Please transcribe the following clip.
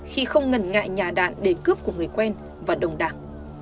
khi không ngần ngại nhà đạn để cướp của người quen và đồng đảng